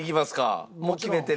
もう決めてる？